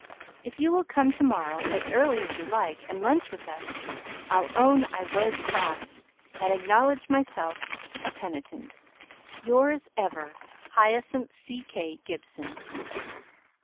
If you will come to morrow as early as you like and lunch with us, I'll own I was cross, and acknowledge myself a penitent. Yours ever, HYACINTH C. K. GIBSON.